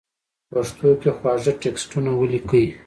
پښتو کې خواږه ټېکسټونه وليکئ!!